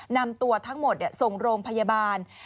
นำตัวทั้งหมดส่งโรงพยาบาล